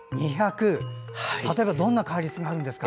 例えばどんな戒律があるんですか？